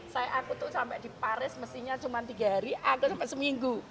saya aku tuh sampai di paris mestinya cuma tiga hari atau sampai seminggu